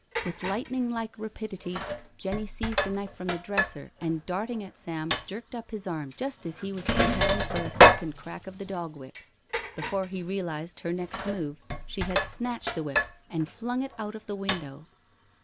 With lightning like rapidity Jenny seized a knife from the dresser and darting at Sam jerked up his arm just as he was preparing for a second crack of the dog whip. Before he realised her next move she had snatched the whip and flung it out of the window.